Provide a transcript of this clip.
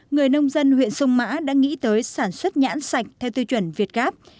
người nông dân huyện sông mã đã nghĩ tới sản xuất nhãn sạch theo tiêu chuẩn việt gáp